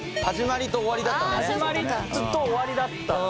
始まりと終わりだった。